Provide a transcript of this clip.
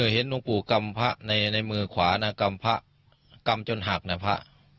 หลวงปู่กำพระในมือขวานะกำพระกำจนหักนะพระ